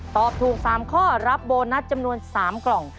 ตอบถูก๓ข้อรับโบนัสจำนวน๓กล่อง